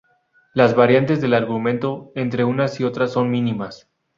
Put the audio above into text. Las variantes del argumento entre unas y otras son mínimas.